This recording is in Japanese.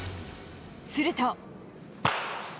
すると。